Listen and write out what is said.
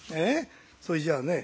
そいじゃあね